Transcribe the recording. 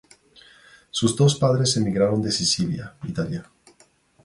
Sus dos padres emigraron de Sicilia, Italia.